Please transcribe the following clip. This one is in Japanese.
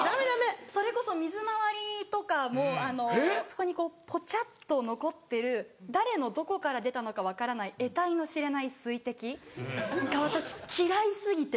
それこそ水回りとかもそこにポチャっと残ってる誰のどこから出たのか分からないえたいの知れない水滴が私嫌い過ぎて。